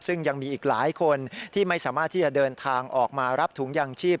ซึ่งยังมีอีกหลายคนที่ไม่สามารถที่จะเดินทางออกมารับถุงยางชีพ